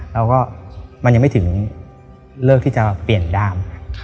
แล้วก็มันยังไม่ถึงเลิกที่จะเปลี่ยนด้าม